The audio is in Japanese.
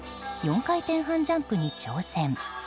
４回転半ジャンプに挑戦。